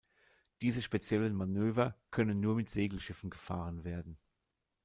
Diese speziellen Manöver können nur mit Segelschiffen gefahren werden.